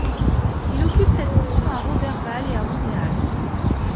Il occupe cette fonction à Roberval et à Montréal.